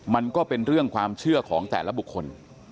มันก็เป็นเรื่องความเชื่อของแต่ละบุคคล